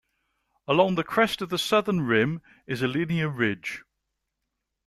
Along the crest of the southern rim is a linear ridge.